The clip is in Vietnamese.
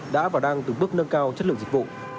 đã vào đăng từng bước nâng cao chất lượng dịch vụ